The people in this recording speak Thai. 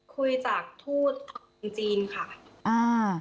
คุยจากทูตจากเมืองจีนค่ะ